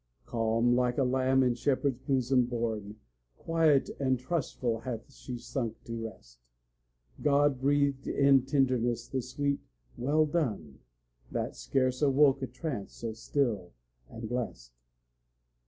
Calm, like a lamb in shepherd's bosom borne, Quiet and trustful hath she sunk to rest; God breathed in tenderness the sweet "Well done!" That scarce awoke a trance so still and blest.